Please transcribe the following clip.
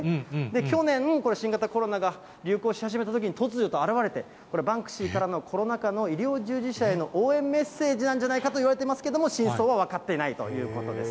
去年、これ、新型コロナが流行し始めたときに、突如と現れて、これ、バンクシーからのコロナ禍の医療従事者への応援メッセージなんじゃないかといわれてますけれども、真相は分かっていないということです。